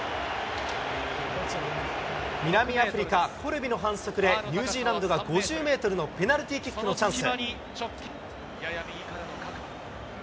南アフリカ、コルビの反則で、ニュージーランドが５０メートルのペナルティーキックのチャンス。